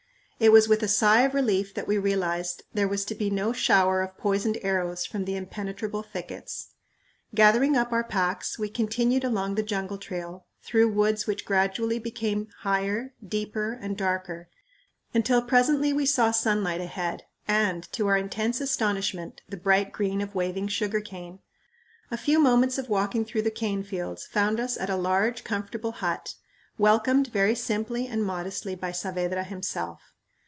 It was with a sigh of relief that we realized there was to be no shower of poisoned arrows from the impenetrable thickets. Gathering up our packs, we continued along the jungle trail, through woods which gradually became higher, deeper, and darker, until presently we saw sunlight ahead and, to our intense astonishment, the bright green of waving sugar cane. A few moments of walking through the cane fields found us at a large comfortable hut, welcomed very simply and modestly by Saavedra himself.